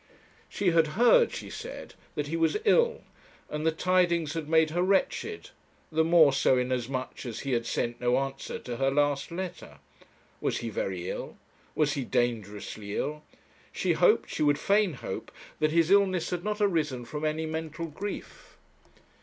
She had 'heard,' she said, 'that he was ill, and the tidings had made her wretched the more so inasmuch as he had sent no answer to her last letter. Was he very ill? was he dangerously ill? She hoped, she would fain hope, that his illness had not arisen from any mental grief.